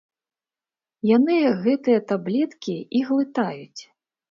Яны гэтыя таблеткі і глытаюць.